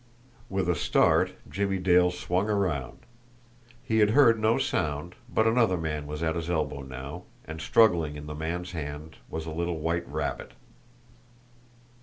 With a start, Jimmie Dale swung around. He had heard no sound, but another man was at his elbow now and, struggling in the man's hand, was a little white rabbit.